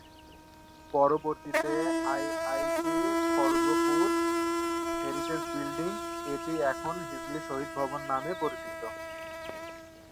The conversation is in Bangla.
পরবর্তীতে আইআইটি-খড়গপুর হেরিটেজ বিল্ডিং, এটি এখন হিজলি শহীদ ভবন নামে পরিচিত।